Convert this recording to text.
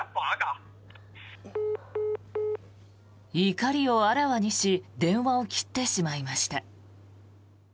怒りをあらわにし電話を切ってしまいました。